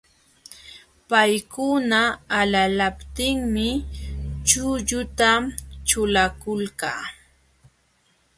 Paykuna alalaptinmi chulluta ćhulakulka.